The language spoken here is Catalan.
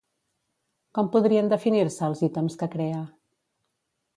Com podrien definir-se els ítems que crea?